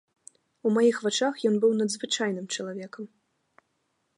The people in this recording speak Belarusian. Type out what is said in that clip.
У маіх вачах ён быў надзвычайным чалавекам.